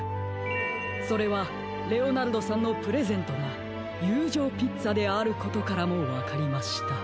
それはレオナルドさんのプレゼントがゆうじょうピッツァであることからもわかりました。